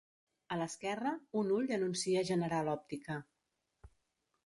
A l'esquerra. un ull anuncia General Òptica.